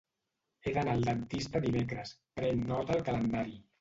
He d'anar al dentista dimecres, pren nota al calendari.